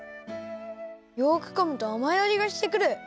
よくかむとあまいあじがしてくる。